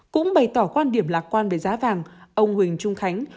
cũng bày tỏ quan điểm lạc quan về giá vàng ông huỳnh trung khánh